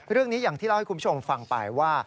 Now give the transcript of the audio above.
เรื่องนี้อย่างที่เล่าให้คุณผู้ชมฟังไปว่า